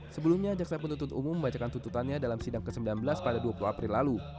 sebelumnya jaksa penuntut umum membacakan tuntutannya dalam sidang ke sembilan belas pada dua puluh april lalu